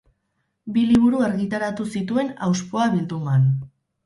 Bi liburu argitaratu zituen Auspoa bilduman.